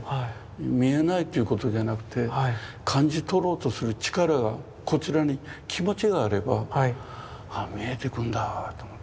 見えないということじゃなくて感じ取ろうとする力がこちらに気持ちがあれば見えてくるんだと思って。